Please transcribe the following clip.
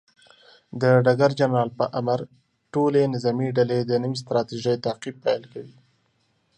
د ډګر جنرال پر امر، ټولې نظامي ډلې د نوې ستراتیژۍ تعقیب پیل کوي.